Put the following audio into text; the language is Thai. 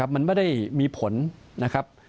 มันไม่ได้มีผลนะครับ